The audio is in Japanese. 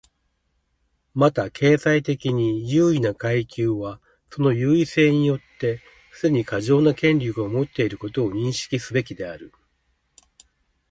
また、経済的に優位な階級はその優位性によってすでに過剰な権力を持っていることを認識すべきである。